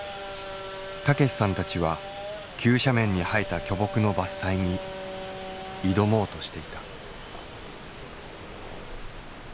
武さんたちは急斜面に生えた巨木の伐採に挑もうとしていた。